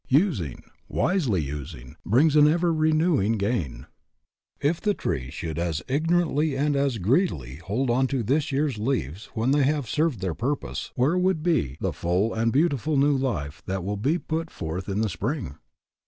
Using, wisely using, brings an ever renewing gain. If the tree should as ignorantly and as greedily hold on to this year's leaves when they have served their purpose, where would be the full and beautiful new life that will be put forth in the spring?